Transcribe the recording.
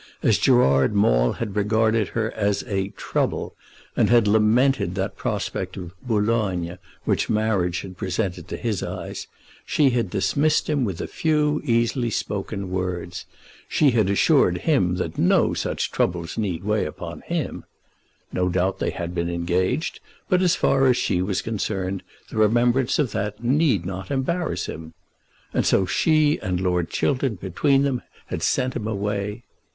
As Gerard Maule had regarded her as a "trouble," and had lamented that prospect of "Boulogne" which marriage had presented to his eyes, she had dismissed him with a few easily spoken words. She had assured him that no such troubles need weigh upon him. No doubt they had been engaged; but, as far as she was concerned, the remembrance of that need not embarrass him. And so she and Lord Chiltern between them had sent him away.